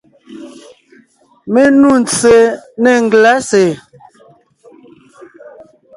Mé nû ntse nê ngelásè.